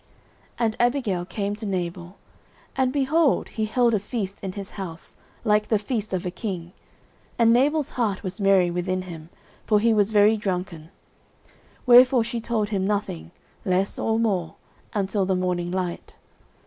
09:025:036 And Abigail came to Nabal; and, behold, he held a feast in his house, like the feast of a king; and Nabal's heart was merry within him, for he was very drunken: wherefore she told him nothing, less or more, until the morning light.